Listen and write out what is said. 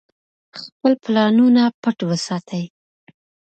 خپل پلانونه پټ وساتئ.